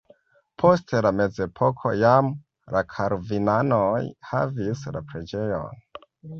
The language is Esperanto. Post la mezepoko jam la kalvinanoj havis la preĝejon.